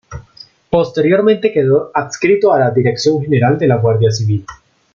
Posteriormente quedó adscrito a la Dirección general de la Guardia Civil.